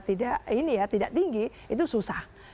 tidak ini ya tidak tinggi itu susah